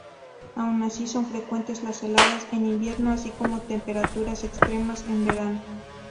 Aun así son frecuentes las heladas en invierno así como temperaturas extremas en verano.